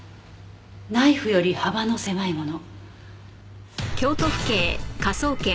ナイフより幅の狭いもの。